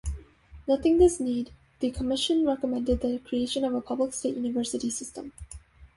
Noting this need, the commission recommended the creation of a public state university system.